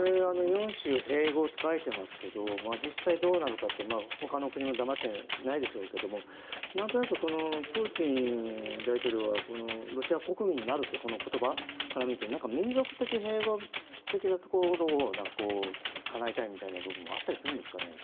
４州併合って書いてますけど実際どうなのかって、他の国も黙ってはいないでしょうけれども何となくプーチン大統領はロシア国民になるっていう言葉から見ると民族的平和的なところをかなえたいみたいな部分もあったりするんですかね。